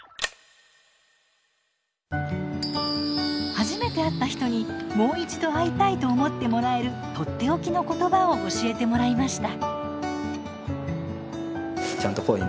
初めて会った人にもう一度会いたいと思ってもらえるとっておきの言葉を教えてもらいました。